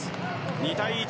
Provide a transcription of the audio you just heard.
２対１。